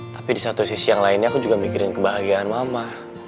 tapi di satu sisi yang lainnya aku juga mikirin kebahagiaan mama